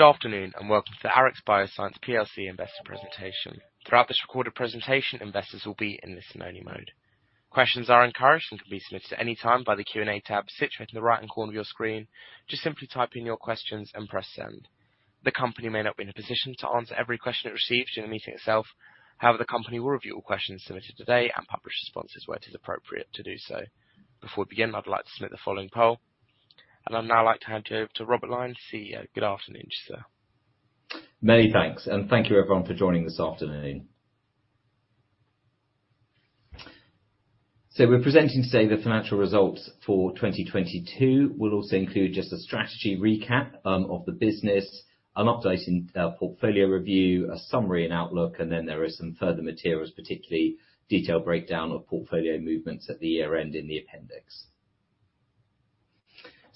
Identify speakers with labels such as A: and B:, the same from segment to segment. A: Good afternoon, welcome to the Arix Bioscience PLC Investor Presentation. Throughout this recorded presentation, investors will be in listen only mode. Questions are encouraged and can be submitted at any time by the Q&A tab situated in the right-hand corner of your screen. Just simply type in your questions and press send. The company may not be in a position to answer every question it receives during the meeting itself. However, the company will review all questions submitted today and publish responses where it is appropriate to do so. Before we begin, I'd like to submit the following poll, and I'd now like to hand you over to Robert Lyne, CEO. Good afternoon, sir.
B: Many thanks, thank you everyone for joining this afternoon. We're presenting today the financial results for 2022. We'll also include just a strategy recap of the business, an update and portfolio review, a summary and outlook, and then there is some further materials, particularly detailed breakdown of portfolio movements at the year-end in the appendix.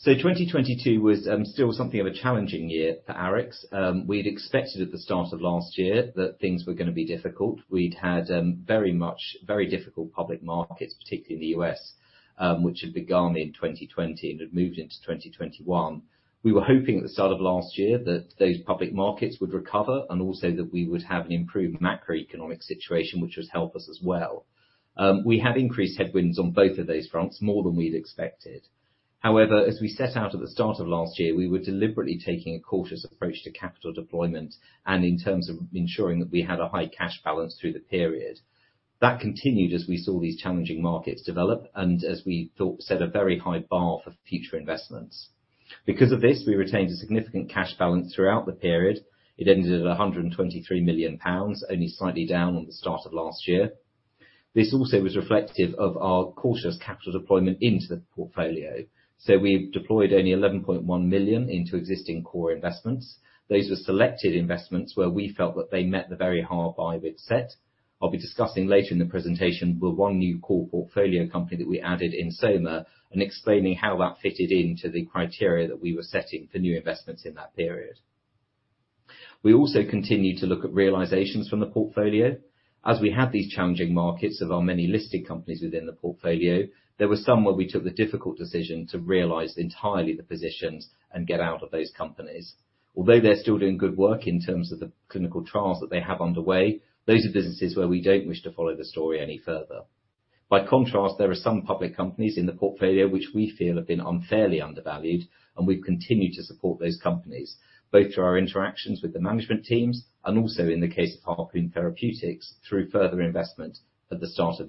B: 2022 was still something of a challenging year for Arix. We'd expected at the start of last year that things were gonna be difficult. We'd had very much, very difficult public markets, particularly in the U.S., which had begun in 2020 and had moved into 2021. We were hoping at the start of last year that those public markets would recover and also that we would have an improved macroeconomic situation, which would help us as well. We had increased headwinds on both of those fronts, more than we'd expected. As we set out at the start of last year, we were deliberately taking a cautious approach to capital deployment, and in terms of ensuring that we had a high cash balance through the period. That continued as we saw these challenging markets develop and as we thought set a very high bar for future investments. Because of this, we retained a significant cash balance throughout the period. It ended at 3 million pounds, only slightly down on the start of last year. This also was reflective of our cautious capital deployment into the portfolio. We deployed only 11.1 million into existing core investments. Those were selected investments where we felt that they met the very high bar we set. I'll be discussing later in the presentation with one new core portfolio company that we added Ensoma, explaining how that fitted into the criteria that we were setting for new investments in that period. We also continued to look at realizations from the portfolio. As we had these challenging markets of our many listed companies within the portfolio, there were some where we took the difficult decision to realize entirely the positions and get out of those companies. Although they're still doing good work in terms of the clinical trials that they have underway, those are businesses where we don't wish to follow the story any further. By contrast, there are some public companies in the portfolio which we feel have been unfairly undervalued, and we've continued to support those companies, both through our interactions with the management teams and also, in the case of Harpoon Therapeutics, through further investment at the start of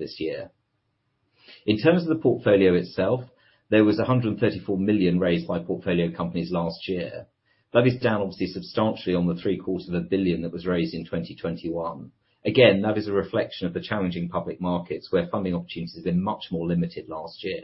B: this year. In terms of the portfolio itself, there was 134 million raised by portfolio companies last year. That is down obviously substantially on the Q3 of a billion GBP that was raised in 2021. That is a reflection of the challenging public markets, where funding opportunities have been much more limited last year.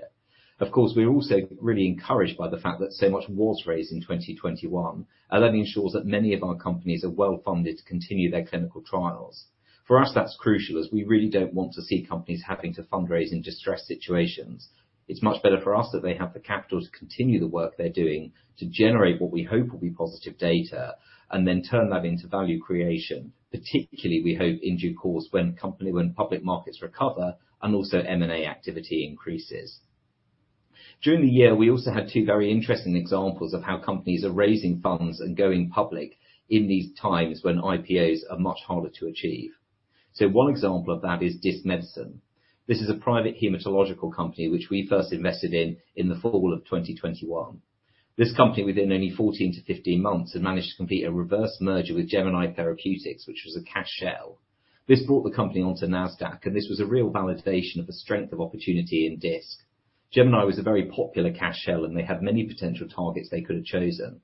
B: We're also really encouraged by the fact that so much was raised in 2021, and that ensures that many of our companies are well-funded to continue their clinical trials. For us, that's crucial, as we really don't want to see companies having to fundraise in distressed situations. It's much better for us that they have the capital to continue the work they're doing to generate what we hope will be positive data and then turn that into value creation. Particularly, we hope, in due course, when public markets recover and also M&A activity increases. During the year, we also had two very interesting examples of how companies are raising funds and going public in these times when IPOs are much harder to achieve. One example of that is Disc Medicine. This is a private hematological company which we first invested in the fall of 2021. This company, within only 14 to 15 months, had managed to complete a reverse merger with Gemini Therapeutics, which was a cash shell. This brought the company onto NASDAQ, this was a real validation of the strength of opportunity in Disc. Gemini was a very popular cash shell, they had many potential targets they could have chosen.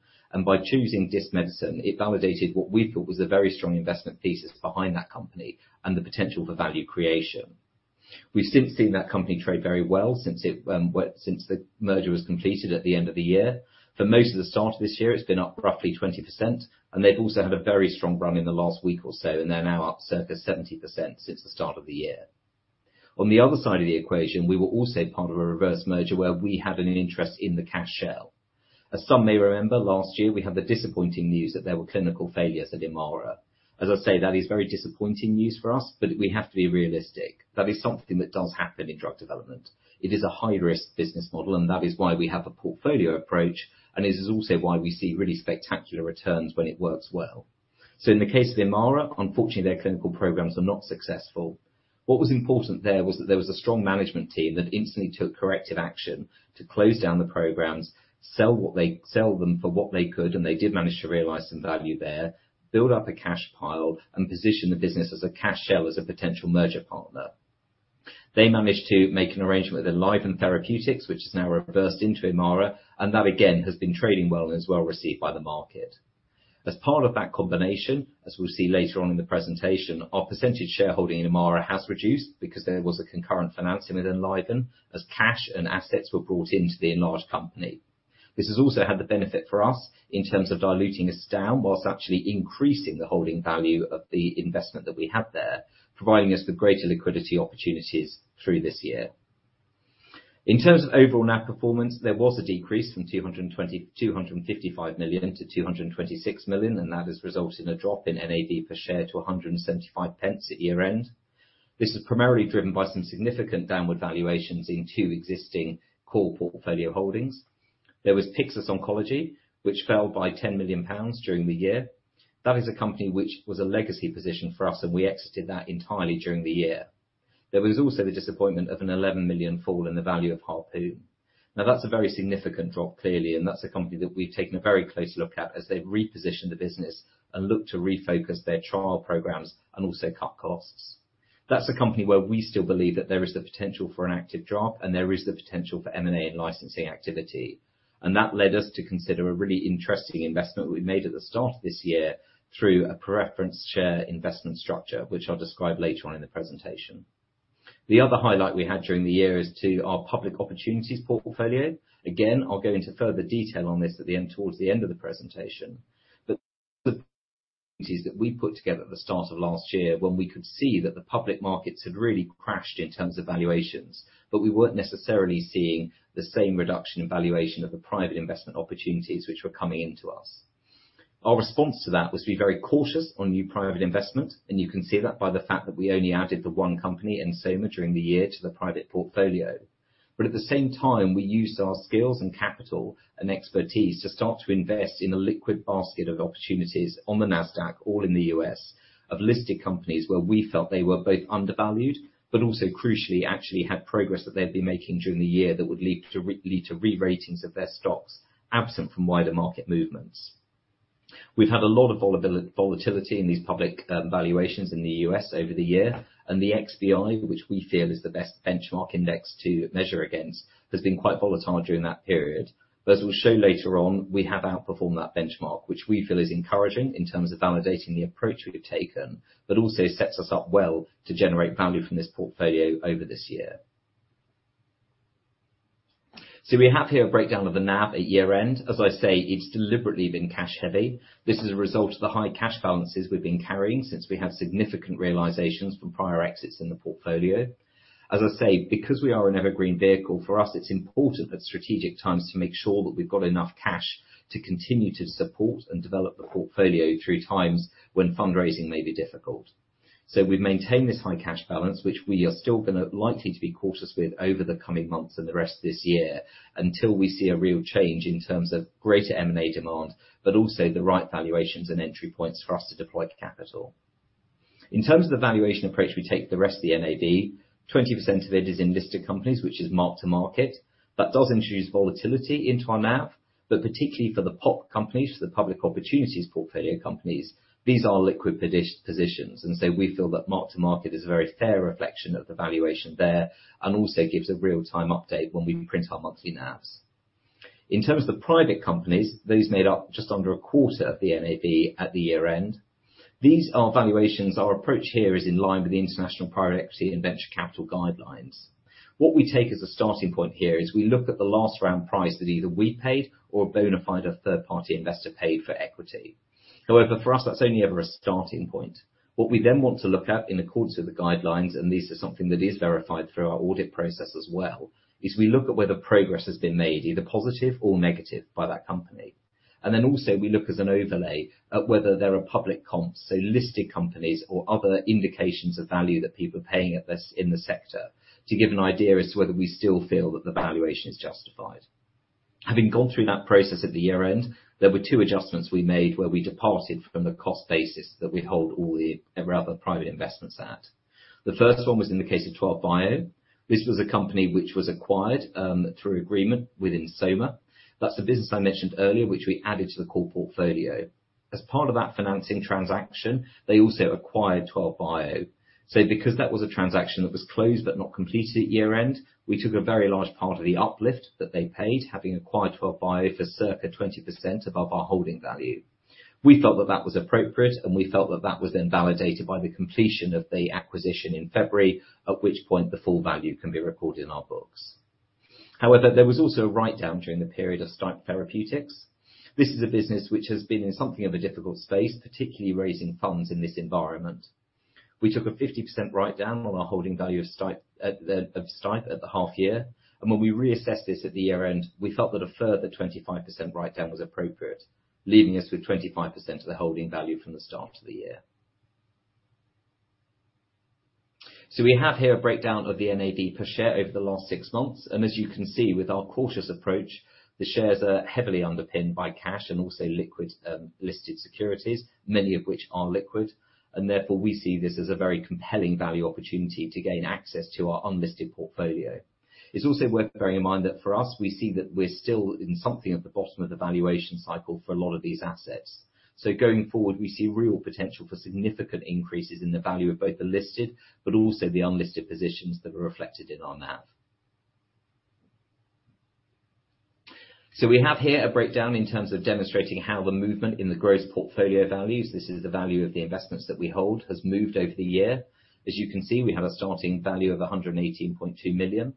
B: By choosing Disc Medicine, it validated what we thought was a very strong investment thesis behind that company and the potential for value creation. We've since seen that company trade very well since it since the merger was completed at the end of the year. For most of the start of this year, it's been up roughly 20%, they've also had a very strong run in the last week or so, they're now up circa 70% since the start of the year. On the other side of the equation, we were also part of a reverse merger where we have an interest in the cash shell. As some may remember, last year we had the disappointing news that there were clinical failures at Imara. As I say, that is very disappointing news for us, but we have to be realistic. That is something that does happen in drug development. It is a high-risk business model, and that is why we have a portfolio approach, and this is also why we see really spectacular returns when it works well. In the case of Imara, unfortunately, their clinical programs were not successful. What was important there was that there was a strong management team that instantly took corrective action to close down the programs, sell them for what they could, and they did manage to realize some value there, build up a cash pile, and position the business as a cash shell as a potential merger partner. They managed to make an arrangement with Enliven Therapeutics, which has now reversed into Imara, and that again has been trading well and is well received by the market. As part of that combination, as we'll see later on in the presentation, our percentage shareholding in Imara has reduced because there was a concurrent financing with Enliven as cash and assets were brought into the enlarged company. This has also had the benefit for us in terms of diluting us down whilst actually increasing the holding value of the investment that we have there, providing us with greater liquidity opportunities through this year. In terms of overall NAV performance, there was a decrease from 255 million to 226 million, and that has resulted in a drop in NAV per share to 175 pence at year-end. This is primarily driven by some significant downward valuations in two existing core portfolio holdings. There was Pyxis Oncology, which fell by 10 million pounds during the year. That is a company which was a legacy position for us, and we exited that entirely during the year. There was also the disappointment of a 11 million fall in the value of Harpoon. Now, that's a very significant drop, clearly, and that's a company that we've taken a very close look at as they reposition the business and look to refocus their trial programs and also cut costs. That's a company where we still believe that there is the potential for an active drop and there is the potential for M&A and licensing activity. That led us to consider a really interesting investment we made at the start this year through a preference share investment structure, which I'll describe later on in the presentation. The other highlight we had during the year is to our public opportunities portfolio. Again, I'll go into further detail on this at the end, towards the end of the presentation. The things that we put together at the start of last year, when we could see that the public markets had really crashed in terms of valuations, but we weren't necessarily seeing the same reduction in valuation of the private investment opportunities which were coming into us. Our response to that was to be very cautious on new private investment, and you can see that by the fact that we only added the one company, Ensoma, during the year to the private portfolio. At the same time, we used our skills and capital and expertise to start to invest in a liquid basket of opportunities on the Nasdaq, all in the U.S., of listed companies where we felt they were both undervalued, but also crucially, actually had progress that they'd be making during the year that would lead to reratings of their stocks absent from wider market movements. We've had a lot of volatility in these public valuations in the U.S. over the year, and the XBI, which we feel is the best benchmark index to measure against, has been quite volatile during that period. As we'll show later on, we have outperformed that benchmark, which we feel is encouraging in terms of validating the approach we have taken, but also sets us up well to generate value from this portfolio over this year. We have here a breakdown of the NAV at year-end. As I say, it's deliberately been cash heavy. This is a result of the high cash balances we've been carrying since we have significant realizations from prior exits in the portfolio. As I say, because we are an evergreen vehicle, for us, it's important at strategic times to make sure that we've got enough cash to continue to support and develop the portfolio through times when fundraising may be difficult. We've maintained this high cash balance, which we are still gonna likely to be cautious with over the coming months and the rest of this year, until we see a real change in terms of greater M&A demand, but also the right valuations and entry points for us to deploy capital. In terms of the valuation approach we take with the rest of the NAV, 20% of it is in listed companies, which is mark-to-market, that does introduce volatility into our NAV, but particularly for the POP companies, for the Public Opportunities Portfolio companies, these are liquid positions. We feel that mark-to-market is a very fair reflection of the valuation there and also gives a real-time update when we print our monthly NAVs. In terms of the private companies, those made up just under a quarter of the NAV at the year-end. These are valuations. Our approach here is in line with the international private equity and venture capital guidelines. What we take as a starting point here is we look at the last round price that either we paid or a bona fide or third-party investor paid for equity. However, for us, that's only ever a starting point. What we then want to look at in accordance with the guidelines, and this is something that is verified through our audit process as well, is we look at whether progress has been made, either positive or negative by that company. Also we look as an overlay at whether there are public comps, so listed companies or other indications of value that people are paying at this in the sector to give an idea as to whether we still feel that the valuation is justified. Having gone through that process at the year-end, there were two adjustments we made where we departed from the cost basis that we hold all the, our other private investments at. The first one was in the case of Twelve Bio. This was a company which was acquired through agreement with Ensoma. That's the business I mentioned earlier, which we added to the core portfolio. As part of that financing transaction, they also acquired Twelve Bio. Because that was a transaction that was closed but not completed at year-end, we took a very large part of the uplift that they paid, having acquired Twelve Bio for circa 20% above our holding value. We felt that that was appropriate, and we felt that that was then validated by the completion of the acquisition in February, at which point the full value can be recorded in our books. There was also a write-down during the period of STipe Therapeutics. This is a business which has been in something of a difficult space, particularly raising funds in this environment. We took a 50% write-down on our holding value of STipe at the half year, and when we reassessed this at the year-end, we felt that a further 25% write-down was appropriate, leaving us with 25% of the holding value from the start of the year. We have here a breakdown of the NAV per share over the last 6 months. As you can see, with our cautious approach, the shares are heavily underpinned by cash and also liquid, listed securities, many of which are liquid. Therefore, we see this as a very compelling value opportunity to gain access to our unlisted portfolio. It's also worth bearing in mind that for us, we see that we're still in something at the bottom of the valuation cycle for a lot of these assets. Going forward, we see real potential for significant increases in the value of both the listed but also the unlisted positions that are reflected in our NAV. We have here a breakdown in terms of demonstrating how the movement in the gross portfolio values, this is the value of the investments that we hold, has moved over the year. You can see, we had a starting value of 118.2 million.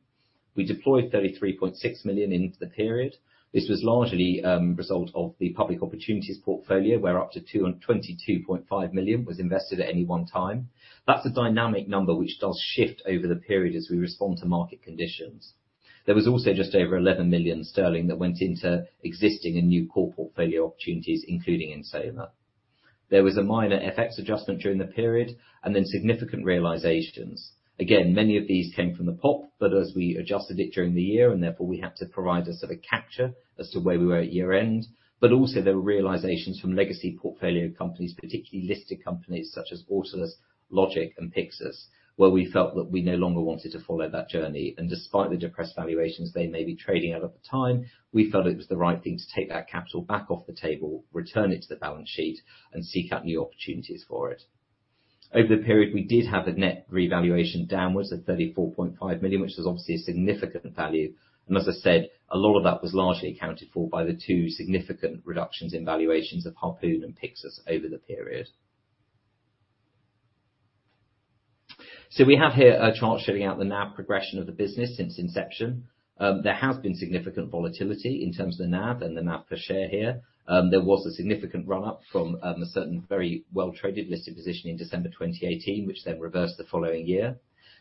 B: We deployed 33.6 million into the period. This was largely result of the public opportunities portfolio, where up to 222.5 million was invested at any one time. That's a dynamic number which does shift over the period as we respond to market conditions. There was also just over 11 million sterling that went into existing and new core portfolio opportunities, including Ensoma. There was a minor FX adjustment during the period and then significant realizations. Again, many of these came from the POP, but as we adjusted it during the year and therefore we had to provide a sort of capture as to where we were at year end. There were realizations from legacy portfolio companies, particularly listed companies such as Autolus, LogicBio and Pyxis, where we felt that we no longer wanted to follow that journey. Despite the depressed valuations they may be trading at the time, we felt it was the right thing to take that capital back off the table, return it to the balance sheet and seek out new opportunities for it. Over the period, we did have a net revaluation downwards of 34.5 million, which was obviously a significant value and as I said, a lot of that was largely accounted for by the two significant reductions in valuations of Harpoon and Pyxis over the period. We have here a chart showing out the NAV progression of the business since inception. There has been significant volatility in terms of NAV and the NAV per share here. There was a significant run up from a certain very well-traded listed position in December 2018 which then reversed the following year.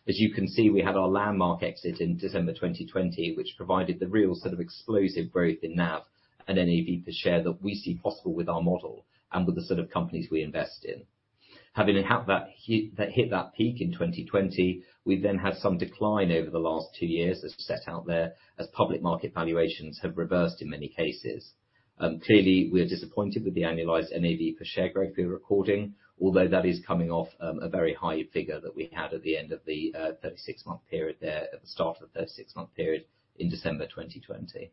B: As you can see, we had our landmark exit in December 2020 which provided the real sort of explosive growth in NAV and NAV per share that we see possible with our model and with the sort of companies we invest in. Hit that peak in 2020, we then had some decline over the last two years as set out there as public market valuations have reversed in many cases. Clearly we are disappointed with the annualized NAV per share growth we're recording, although that is coming off a very high figure that we had at the end of the 36-month period at the start of the 36 month period in December 2020.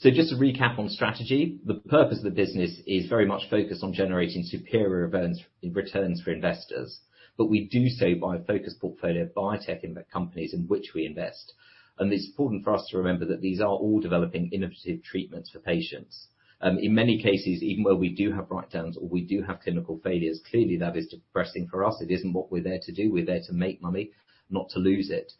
B: Just to recap on strategy. The purpose of the business is very much focused on generating superior events in returns for investors. We do so by a focused portfolio of biotech and the companies in which we invest. It's important for us to remember that these are all developing innovative treatments for patients. In many cases, even where we do have write downs or we do have clinical failures, clearly that is depressing for us. It isn't what we're there to do. We're there to make money, not to lose it.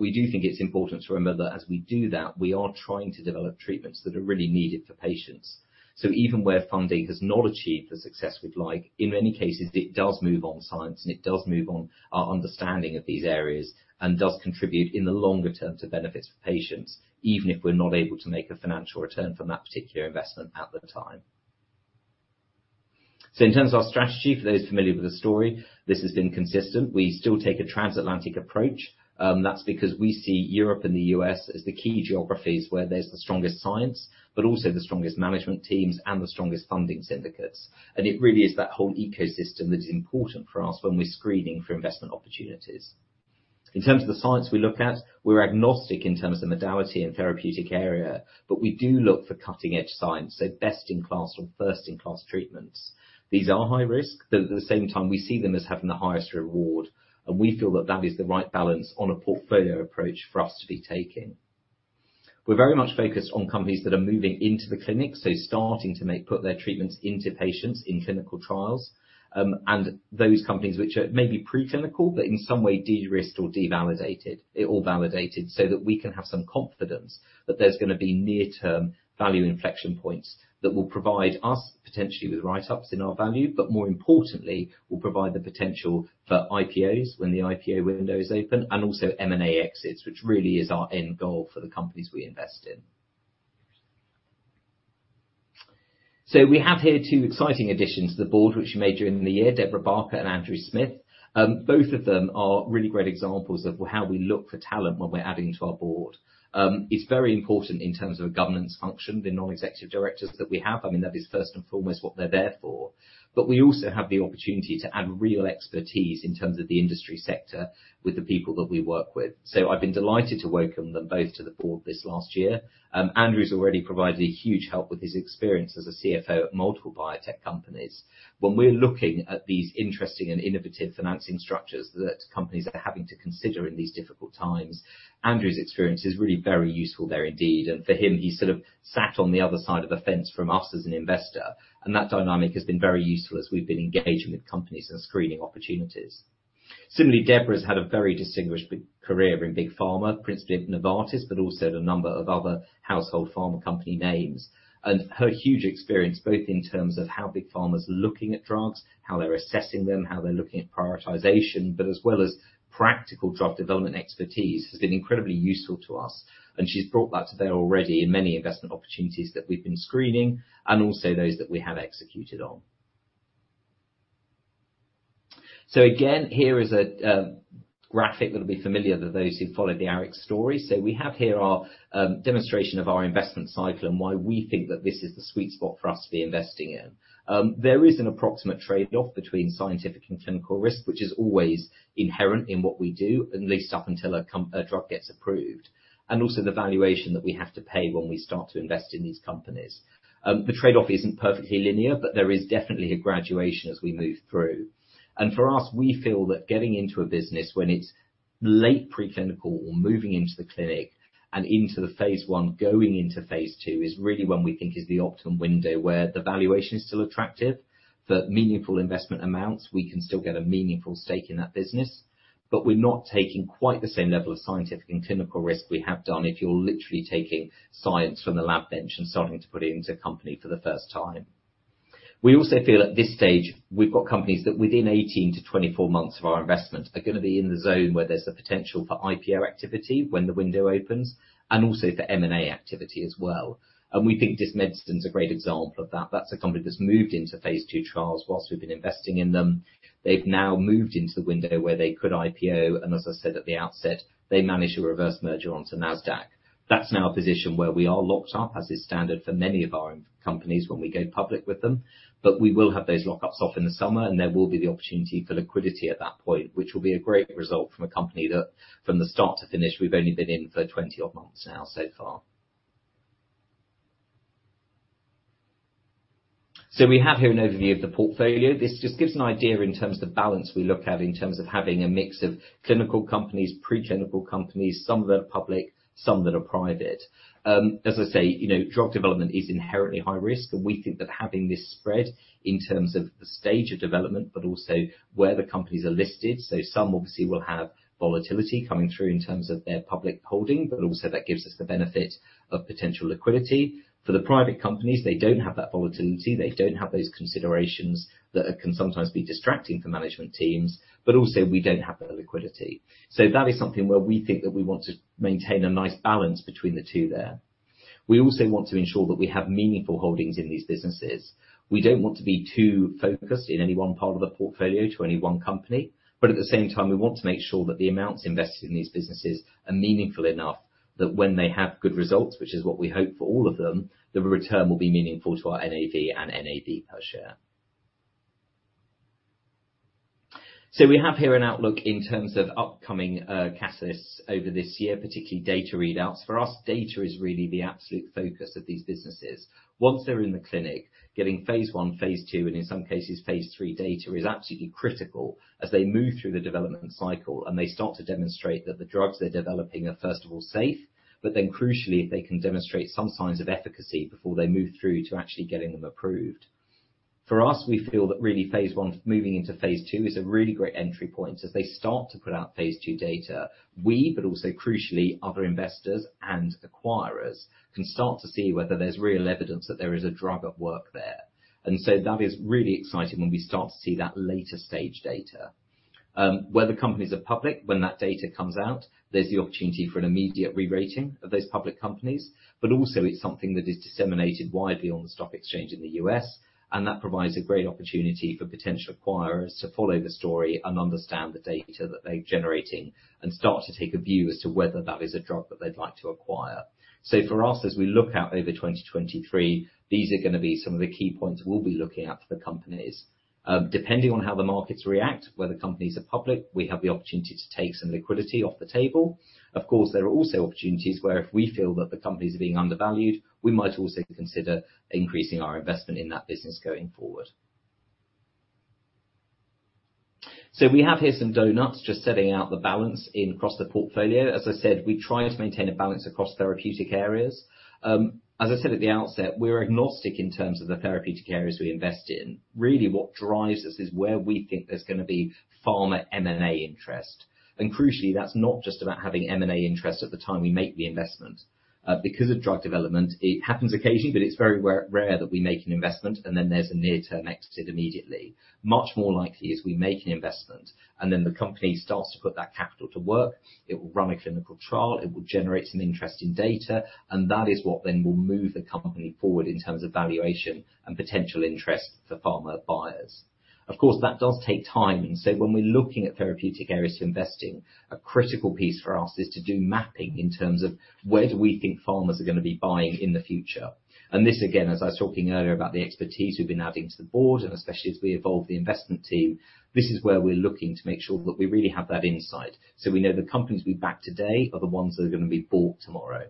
B: We do think it's important to remember that as we do that, we are trying to develop treatments that are really needed for patients. Even where funding has not achieved the success we'd like, in many cases it does move on science and it does move on our understanding of these areas and does contribute in the longer term to benefits for patients, even if we're not able to make a financial return from that particular investment at the time. In terms of our strategy, for those familiar with the story, this has been consistent. We still take a transatlantic approach, that's because we see Europe and the US as the key geographies where there's the strongest science, but also the strongest management teams and the strongest funding syndicates. It really is that whole ecosystem that is important for us when we're screening for investment opportunities. In terms of the science we look at, we're agnostic in terms of modality and therapeutic area, but we do look for cutting-edge science, so best in class from first in class treatments. These are high risk, but at the same time we see them as having the highest reward, and we feel that that is the right balance on a portfolio approach for us to be taking. We're very much focused on companies that are moving into the clinic, so put their treatments into patients in clinical trials, and those companies which are maybe pre-clinical, but in some way derisked or devalidated, or validated so that we can have some confidence that there's gonna be near-term value inflection points that will provide us potentially with write-ups in our value. More importantly, will provide the potential for IPOs when the IPO window is open, and also M&A exits, which really is our end goal for the companies we invest in. We have here two exciting additions to the board which we made during the year, Debra Barker and Andrew Smith. Both of them are really great examples of how we look for talent when we're adding to our board. It's very important in terms of a governance function, the non-executive directors that we have. I mean, that is first and foremost what they're there for. We also have the opportunity to add real expertise in terms of the industry sector with the people that we work with. I've been delighted to welcome them both to the board this last year. Andrew's already provided a huge help with his experience as a CFO at multiple biotech companies. When we're looking at these interesting and innovative financing structures that companies are having to consider in these difficult times, Andrew's experience is really very useful there indeed. For him, he sort of sat on the other side of the fence from us as an investor, and that dynamic has been very useful as we've been engaging with companies and screening opportunities. Similarly, Debra has had a very distinguished career in big pharma, principally at Novartis, but also at a number of other household pharma company names. Her huge experience, both in terms of how big pharma's looking at drugs, how they're assessing them, how they're looking at prioritization, but as well as practical drug development expertise, has been incredibly useful to us. She's brought that to bear already in many investment opportunities that we've been screening and also those that we have executed on. Again, here is a graphic that'll be familiar to those who followed the Arix story. We have here our demonstration of our investment cycle and why we think that this is the sweet spot for us to be investing in. There is an approximate trade-off between scientific and clinical risk, which is always inherent in what we do, at least up until a drug gets approved, and also the valuation that we have to pay when we start to invest in these companies. The trade-off isn't perfectly linear, but there is definitely a graduation as we move through. For us, we feel that getting into a business when it's late pre-clinical or moving into the clinic and into the phase I, going into phase II, is really when we think is the optimum window where the valuation is still attractive. For meaningful investment amounts, we can still get a meaningful stake in that business, we're not taking quite the same level of scientific and clinical risk we have done if you're literally taking science from the lab bench and starting to put it into a company for the first time. We also feel at this stage, we've got companies that within 18 to 24 months of our investment are gonna be in the zone where there's the potential for IPO activity when the window opens, and also for M&A activity as well. We think Disc Medicine's a great example of that. That's a company that's moved into phase II trials while we've been investing in them. They've now moved into the window where they could IPO, and as I said at the outset, they managed to reverse merger onto Nasdaq. That's now a position where we are locked up as is standard for many of our companies when we go public with them. We will have those lockups off in the summer, and there will be the opportunity for liquidity at that point, which will be a great result from a company that from the start to finish, we've only been in for 20 old months now so far. We have here an overview of the portfolio. This just gives an idea in terms of the balance we look at in terms of having a mix of clinical companies, pre-clinical companies, some that are public, some that are private. As I say, you know, drug development is inherently high risk, and we think that having this spread in terms of the stage of development, but also where the companies are listed. Some obviously will have volatility coming through in terms of their public holding, but also that gives us the benefit of potential liquidity. For the private companies, they don't have that volatility, they don't have those considerations that can sometimes be distracting for management teams, but also we don't have the liquidity. That is something where we think that we want to maintain a nice balance between the two there. We also want to ensure that we have meaningful holdings in these businesses. We don't want to be too focused in any one part of the portfolio to any one company, but at the same time, we want to make sure that the amounts invested in these businesses are meaningful enough that when they have good results, which is what we hope for all of them, the return will be meaningful to our NAV and NAV per share. We have here an outlook in terms of upcoming catalysts over this year, particularly data readouts. For us, data is really the absolute focus of these businesses. Once they're in the clinic, getting phase I, phase III, and in some cases, phase III data is absolutely critical as they move through the development cycle, and they start to demonstrate that the drugs they're developing are first of all safe. Crucially, they can demonstrate some signs of efficacy before they move through to actually getting them approved. For us, we feel that really phase I moving into phase II is a really great entry point. As they start to put out phase II data, we, but also crucially other investors and acquirers, can start to see whether there's real evidence that there is a drug at work there. That is really exciting when we start to see that later stage data. Where the companies are public, when that data comes out, there's the opportunity for an immediate re-rating of those public companies, but also it's something that is disseminated widely on the stock exchange in the U.S., and that provides a great opportunity for potential acquirers to follow the story and understand the data that they're generating and start to take a view as to whether that is a drug that they'd like to acquire. For us, as we look out over 2023, these are gonna be some of the key points we'll be looking at for the companies. Depending on how the markets react, whether companies are public, we have the opportunity to take some liquidity off the table. Of course, there are also opportunities where if we feel that the companies are being undervalued, we might also consider increasing our investment in that business going forward. We have here some donuts just setting out the balance in cross the portfolio. As I said, we try to maintain a balance across therapeutic areas. As I said at the outset, we're agnostic in terms of the therapeutic areas we invest in. Really what drives us is where we think there's going to be pharma M&A interest. Crucially, that's not just about having M&A interest at the time we make the investment. Because of drug development, it happens occasionally, but it's very rare that we make an investment, and then there's a near-term exit immediately. Much more likely is we make an investment, and then the company starts to put that capital to work. It will run a clinical trial, it will generate some interesting data, and that is what then will move the company forward in terms of valuation and potential interest for pharma buyers. Of course, that does take time. When we're looking at therapeutic areas to invest in, a critical piece for us is to do mapping in terms of where do we think pharmas are gonna be buying in the future. This, again, as I was talking earlier about the expertise we've been adding to the board, and especially as we evolve the investment team, this is where we're looking to make sure that we really have that insight. We know the companies we back today are the ones that are gonna be bought tomorrow.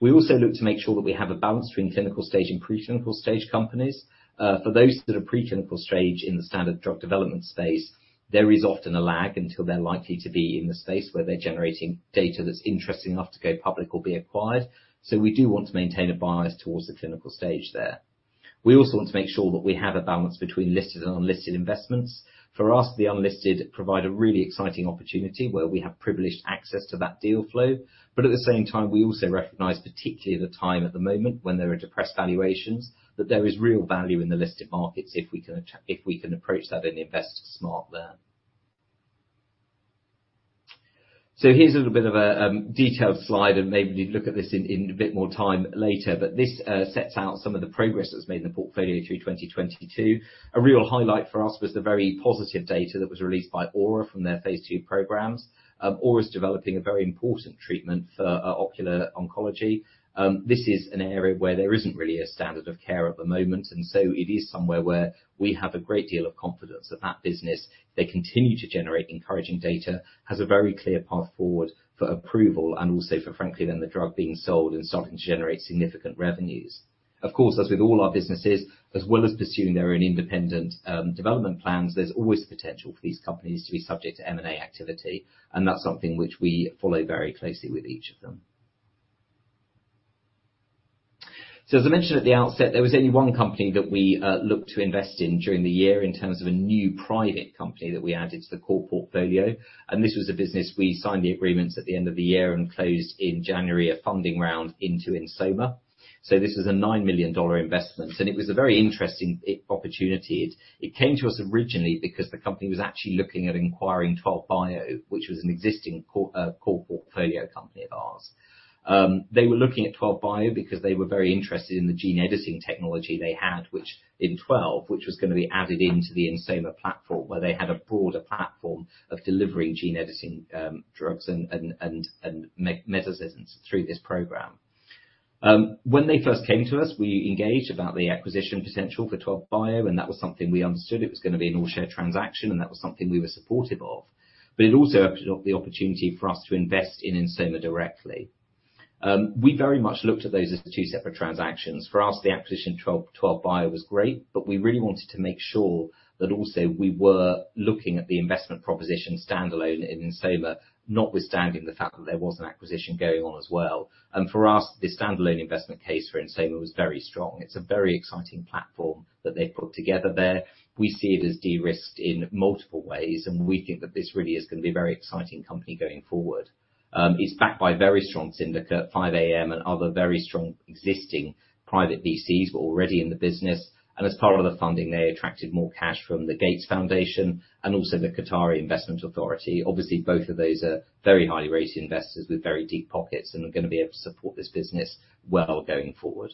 B: We also look to make sure that we have a balance between clinical stage and pre-clinical stage companies. For those that are pre-clinical stage in the standard drug development space, there is often a lag until they're likely to be in the space where they're generating data that's interesting enough to go public or be acquired. We do want to maintain a bias towards the clinical stage there. We also want to make sure that we have a balance between listed and unlisted investments. For us, the unlisted provide a really exciting opportunity where we have privileged access to that deal flow. At the same time, we also recognize particularly the time at the moment when there are depressed valuations, that there is real value in the listed markets if we can approach that and invest smart there. Here's a little bit of a detailed slide, and maybe you look at this in a bit more time later, but this sets out some of the progress that's made in the portfolio through 2022. A real highlight for us was the very positive data that was released by Aura from their phase II programs. Aura's developing a very important treatment for ocular oncology. This is an area where there isn't really a standard of care at the moment, and so it is somewhere where we have a great deal of confidence that that business, if they continue to generate encouraging data, has a very clear path forward for approval and also for frankly then the drug being sold and starting to generate significant revenues. Of course, as with all our businesses, as well as pursuing their own independent development plans, there's always the potential for these companies to be subject to M&A activity, and that's something which we follow very closely with each of them. As I mentioned at the outset, there was only one company that we looked to invest in during the year in terms of a new private company that we added to the core portfolio. This was a business we signed the agreements at the end of the year and closed in January, a funding round into Ensoma.This was a $9 million investment, and it was a very interesting opportunity.It came to us originally because the company was actually looking at acquiring Twelve Bio, which was an existing core portfolio company of ours. They were looking at Twelve Bio because they were very interested in the gene editing technology they had, which in 12, which was gonna be added into the Ensoma platform, where they had a broader platform of delivering gene editing drugs and mechanisms through this program. When they first came to us, we engaged about the acquisition potential for Twelve Bio. That was something we understood it was gonna be an all-share transaction. That was something we were supportive of. It also opened up the opportunity for us to invest in Ensoma directly. We very much looked at those as the two separate transactions. For us, the acquisition Twelve Bio was great, but we really wanted to make sure that also we were looking at the investment proposition standalone in Ensoma, notwithstanding the fact that there was an acquisition going on as well. For us, the standalone investment case for Ensoma was very strong. It's a very exciting platform that they've put together there. We see it as de-risked in multiple ways, and we think that this really is gonna be a very exciting company going forward. It's backed by very strong syndicate, 5AM Ventures and other very strong existing private VCs who are already in the business. As part of the funding, they attracted more cash from the Gates Foundation and also the Qatar Investment Authority. Obviously, both of those are very highly rated investors with very deep pockets and are gonna be able to support this business well going forward.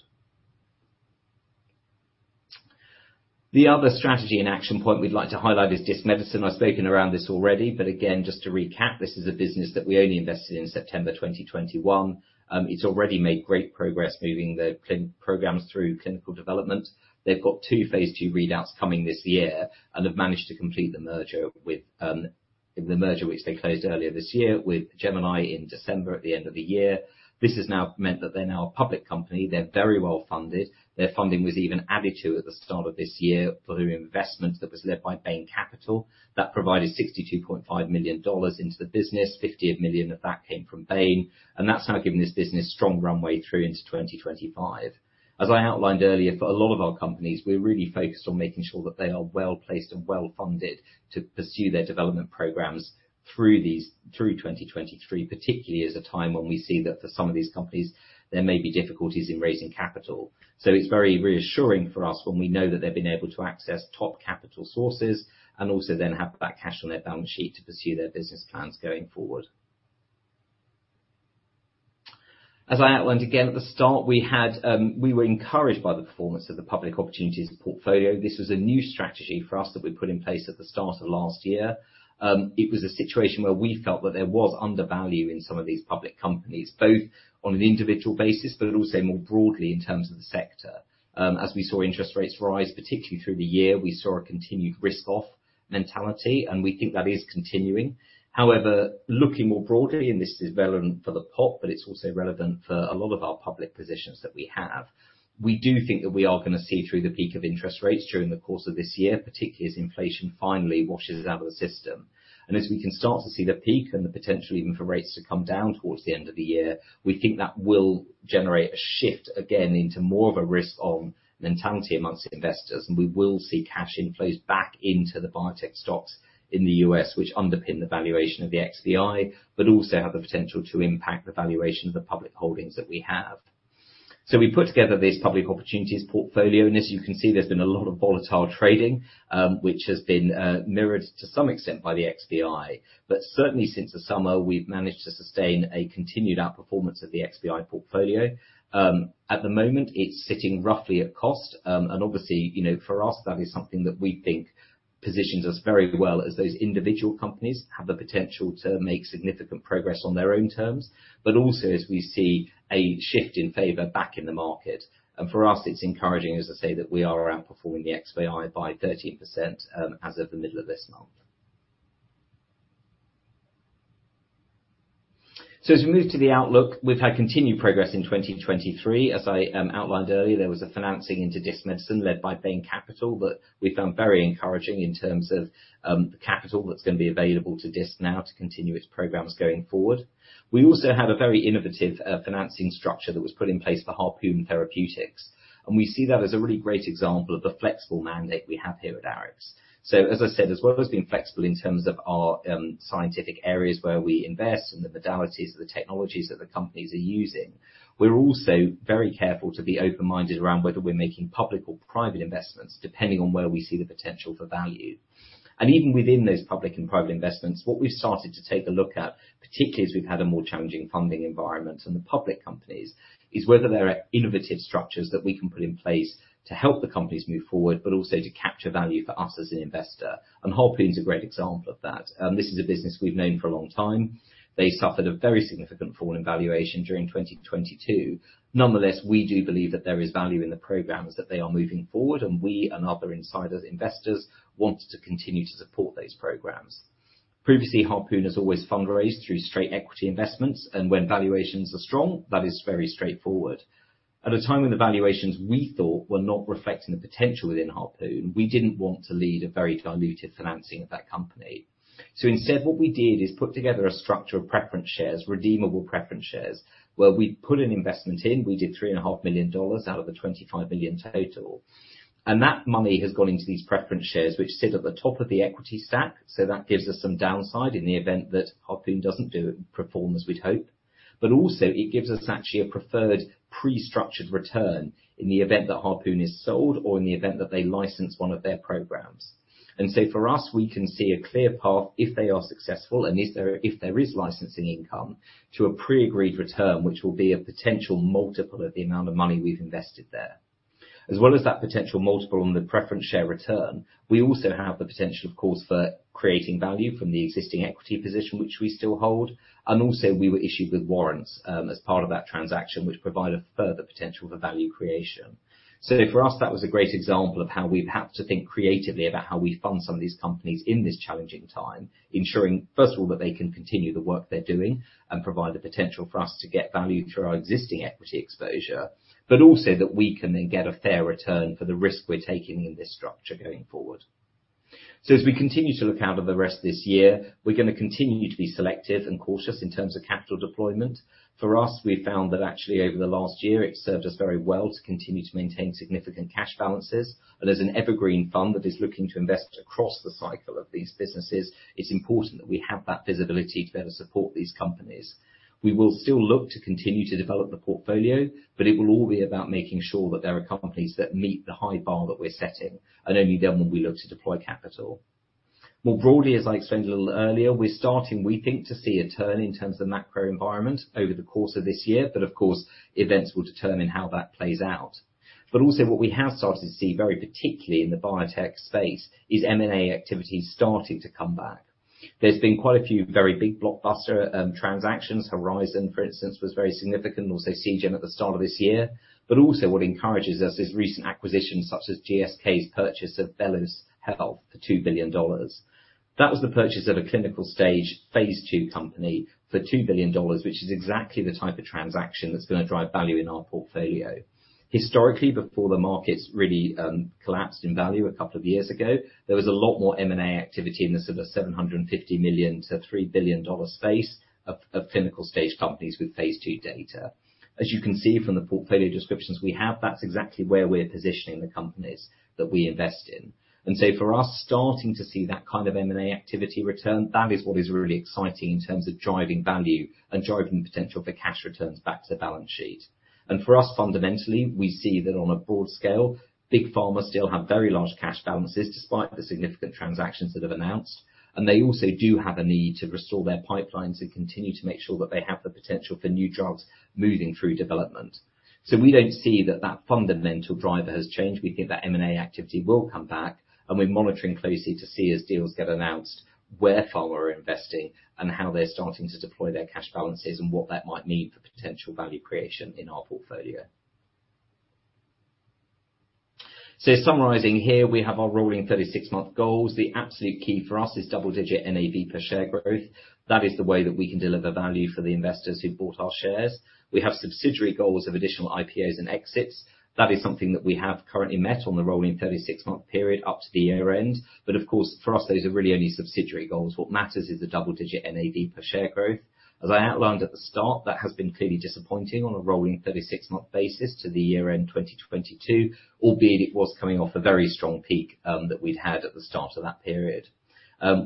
B: The other strategy and action point we'd like to highlight is Disc Medicine. I've spoken around this already, but again, just to recap, this is a business that we only invested in September 2021. It's already made great progress moving the programs through clinical development. They've got 2 phase two readouts coming this year and have managed to complete the merger with the merger which they closed earlier this year with Gemini in December at the end of the year. This has now meant that they're now a public company. They're very well-funded. Their funding was even added to at the start of this year for the investment that was led by Bain Capital. That provided $62.5 million into the business. $58 million of that came from Bain, that's now given this business strong runway through into 2025. As I outlined earlier, for a lot of our companies, we're really focused on making sure that they are well-placed and well-funded to pursue their development programs through 2023, particularly as a time when we see that for some of these companies, there may be difficulties in raising capital. It's very reassuring for us when we know that they've been able to access top capital sources and also then have that cash on their balance sheet to pursue their business plans going forward. As I outlined again at the start, we had, we were encouraged by the performance of the public opportunities portfolio. This was a new strategy for us that we put in place at the start of last year. It was a situation where we felt that there was undervalue in some of these public companies, both on an individual basis, but also more broadly in terms of the sector. As we saw interest rates rise, particularly through the year, we saw a continued risk-off mentality, and we think that is continuing. However, looking more broadly, and this is relevant for the POP, but it's also relevant for a lot of our public positions that we have. We do think that we are gonna see through the peak of interest rates during the course of this year, particularly as inflation finally washes out of the system. As we can start to see the peak and the potential even for rates to come down towards the end of the year, we think that will generate a shift again into more of a risk-on mentality amongst investors, and we will see cash inflows back into the biotech stocks in the U.S., which underpin the valuation of the XBI, but also have the potential to impact the valuation of the public holdings that we have. We put together this public opportunities portfolio, and as you can see, there's been a lot of volatile trading, which has been mirrored to some extent by the XBI. Certainly since the summer, we've managed to sustain a continued outperformance of the XBI portfolio. At the moment, it's sitting roughly at cost. Obviously, you know, for us, that is something that we think positions us very well as those individual companies have the potential to make significant progress on their own terms, but also as we see a shift in favor back in the market. For us, it's encouraging, as I say, that we are outperforming the XBI by 13%, as of the middle of this month. As we move to the outlook, we've had continued progress in 2023. As I outlined earlier, there was a financing into Disc Medicine led by Bain Capital that we found very encouraging in terms of the capital that's gonna be available to Disc now to continue its programs going forward. We also had a very innovative financing structure that was put in place for Harpoon Therapeutics, and we see that as a really great example of the flexible mandate we have here at Arix. As I said, as well as being flexible in terms of our scientific areas where we invest and the modalities of the technologies that the companies are using, we're also very careful to be open-minded around whether we're making public or private investments, depending on where we see the potential for value. Even within those public and private investments, what we've started to take a look at, particularly as we've had a more challenging funding environment in the public companies, is whether there are innovative structures that we can put in place to help the companies move forward, but also to capture value for us as an investor. Harpoon's a great example of that. This is a business we've known for a long time. They suffered a very significant fall in valuation during 2022. Nonetheless, we do believe that there is value in the programs that they are moving forward, and we and other insider investors want to continue to support those programs. Previously, Harpoon has always fundraised through straight equity investments, and when valuations are strong, that is very straightforward. At a time when the valuations, we thought, were not reflecting the potential within Harpoon, we didn't want to lead a very dilutive financing of that company. Instead, what we did is put together a structure of preference shares, redeemable preference shares, where we put an investment in. We did three and a half million dollars out of the $25 million total. That money has gone into these preference shares, which sit at the top of the equity stack. That gives us some downside in the event that Harpoon doesn't perform as we'd hope. Also it gives us actually a preferred pre-structured return in the event that Harpoon is sold or in the event that they license one of their programs. For us, we can see a clear path if they are successful and if there is licensing income to a pre-agreed return, which will be a potential multiple of the amount of money we've invested there. As well as that potential multiple on the preference share return, we also have the potential, of course, for creating value from the existing equity position which we still hold, and also we were issued with warrants, as part of that transaction, which provide a further potential for value creation. For us, that was a great example of how we've had to think creatively about how we fund some of these companies in this challenging time, ensuring, first of all, that they can continue the work they're doing and provide the potential for us to get value through our existing equity exposure, but also that we can then get a fair return for the risk we're taking in this structure going forward. As we continue to look out at the rest of this year, we're gonna continue to be selective and cautious in terms of capital deployment. For us, we found that actually over the last year, it served us very well to continue to maintain significant cash balances. As an evergreen fund that is looking to invest across the cycle of these businesses, it's important that we have that visibility to be able to support these companies. We will still look to continue to develop the portfolio, but it will all be about making sure that there are companies that meet the high bar that we're setting, and only then will we look to deploy capital. More broadly, as I explained a little earlier, we're starting, we think, to see a turn in terms of the macro environment over the course of this year, but of course, events will determine how that plays out. Also what we have started to see very particularly in the biotech space is M&A activity starting to come back. There's been quite a few very big blockbuster transactions. Horizon, for instance, was very significant, and also Seagen at the start of this year. Also what encourages us is recent acquisitions such as GSK's purchase of BELLUS Health for $2 billion. That was the purchase of a clinical stage phase II company for $2 billion, which is exactly the type of transaction that's gonna drive value in our portfolio. Historically, before the markets really collapsed in value a couple of years ago, there was a lot more M&A activity in the sort of $750 million-$3 billion space of clinical stage companies with phase II data. As you can see from the portfolio descriptions we have, that's exactly where we're positioning the companies that we invest in. For us, starting to see that kind of M&A activity return, that is what is really exciting in terms of driving value and driving potential for cash returns back to the balance sheet. For us, fundamentally, we see that on a broad scale, big pharma still have very large cash balances despite the significant transactions that they've announced, and they also do have a need to restore their pipelines and continue to make sure that they have the potential for new drugs moving through development. We don't see that fundamental driver has changed. We think that M&A activity will come back, and we're monitoring closely to see as deals get announced, where pharma are investing and how they're starting to deploy their cash balances and what that might mean for potential value creation in our portfolio. Summarizing here, we have our rolling 36 month goals. The absolute key for us is double-digit NAV per share growth. That is the way that we can deliver value for the investors who bought our shares. We have subsidiary goals of additional IPOs and exits. That is something that we have currently met on the rolling 36 month period up to the year-end. Of course, for us, those are really only subsidiary goals. What matters is the double-digit NAV per share growth. As I outlined at the start, that has been clearly disappointing on a rolling 36 month basis to the year-end 2022, albeit it was coming off a very strong peak that we'd had at the start of that period.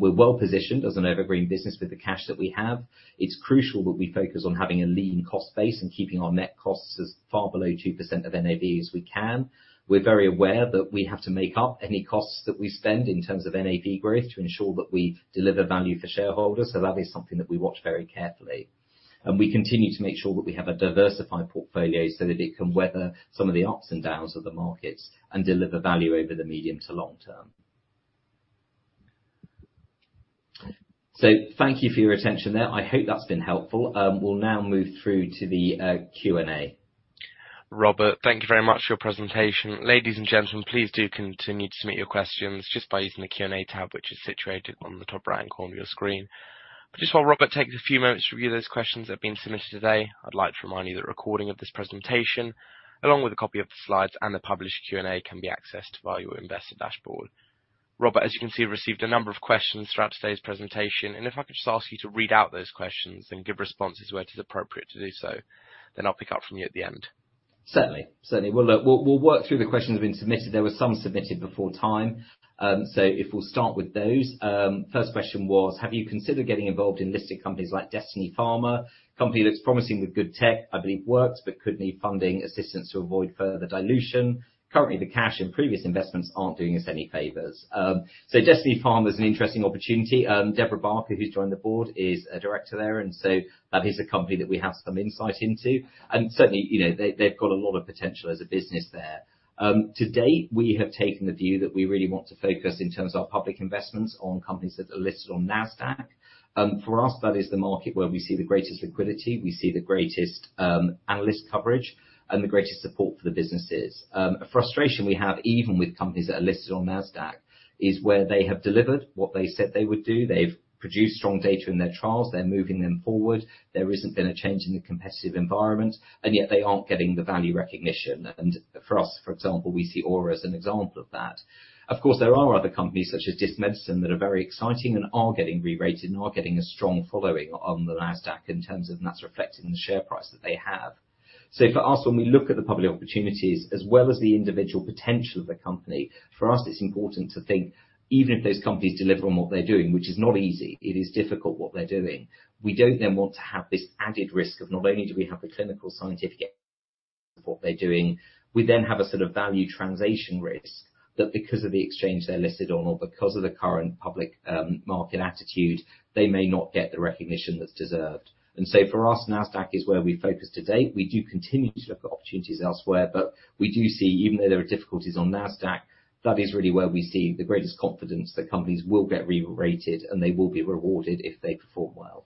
B: We're well positioned as an evergreen business with the cash that we have. It's crucial that we focus on having a lean cost base and keeping our net costs as far below 2% of NAV as we can. We're very aware that we have to make up any costs that we spend in terms of NAV growth to ensure that we deliver value for shareholders. That is something that we watch very carefully. We continue to make sure that we have a diversified portfolio so that it can weather some of the ups and downs of the markets and deliver value over the medium to long term. Thank you for your attention there. I hope that's been helpful. We'll now move through to the Q&A.
A: Robert, thank you very much for your presentation. Ladies and gentlemen, please do continue to submit your questions just by using the Q&A tab, which is situated on the top right corner of your screen. Just while Robert takes a few moments to review those questions that have been submitted today, I'd like to remind you that a recording of this presentation, along with a copy of the slides and the published Q&A, can be accessed via your investor dashboard. Robert, as you can see, received a number of questions throughout today's presentation. If I could just ask you to read out those questions and give responses where it is appropriate to do so, I'll pick up from you at the end.
B: Certainly. Certainly. We'll work through the questions that have been submitted. There were some submitted before time. If we'll start with those. First question was: Have you considered getting involved in listed companies like Destiny Pharma? Company that's promising with good tech, I believe works, but could need funding assistance to avoid further dilution. Currently, the cash and previous investments aren't doing us any favors. Destiny Pharma is an interesting opportunity. Debra Barker, who's joined the board, is a director there, and so that is a company that we have some insight into. Certainly, you know, they've got a lot of potential as a business there. To date, we have taken the view that we really want to focus, in terms of our public investments, on companies that are listed on NASDAQ. For us that is the market where we see the greatest liquidity, we see the greatest analyst coverage and the greatest support for the businesses. A frustration we have even with companies that are listed on NASDAQ is where they have delivered what they said they would do. They've produced strong data in their trials, they're moving them forward. There isn't been a change in the competitive environment, and yet they aren't getting the value recognition. For us, for example, we see Aura as an example of that. Of course, there are other companies such as Disc Medicine that are very exciting and are getting re-rated and are getting a strong following on the NASDAQ in terms of, and that's reflected in the share price that they have. For us, when we look at the public opportunities as well as the individual potential of the company, for us it's important to think even if those companies deliver on what they're doing, which is not easy, it is difficult what they're doing. We don't then want to have this added risk of not only do we have the clinical scientific of what they're doing, we then have a sort of value translation risk that because of the exchange they're listed on or because of the current public market attitude, they may not get the recognition that's deserved. For us, NASDAQ is where we focus today. We do continue to look at opportunities elsewhere, but we do see, even though there are difficulties on NASDAQ, that is really where we see the greatest confidence that companies will get re-rated and they will be rewarded if they perform well.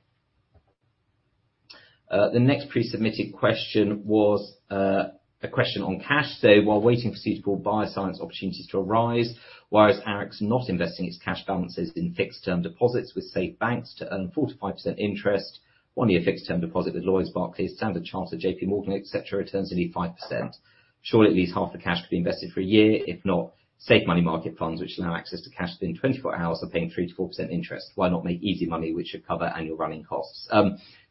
B: The next pre-submitted question was a question on cash. While waiting for suitable bioscience opportunities to arise, why is Arix not investing its cash balances in fixed term deposits with state banks to earn 4%-5% interest, one year fixed term deposit with Lloyds, Barclays, Standard Chartered, J.P. Morgan, et cetera, returns only 5%. Surely at least half the cash could be invested for a year, if not safe money market funds which allow access to cash within 24 hours are paying 3%-4% interest. Why not make easy money which should cover annual running costs?